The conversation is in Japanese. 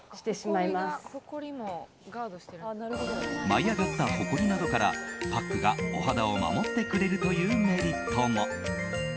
舞い上がったほこりなどからパックがお肌を守ってくれるというメリットも。